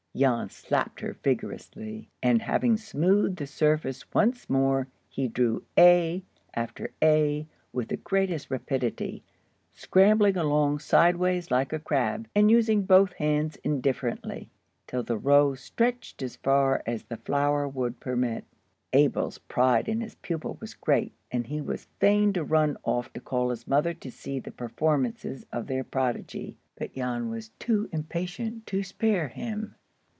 Jan slapped her vigorously, and having smoothed the surface once more, he drew A after A with the greatest rapidity, scrambling along sideways like a crab, and using both hands indifferently, till the row stretched as far as the flour would permit. Abel's pride in his pupil was great, and he was fain to run off to call his mother to see the performances of their prodigy, but Jan was too impatient to spare him.